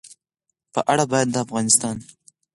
په اړه باید د افغانستان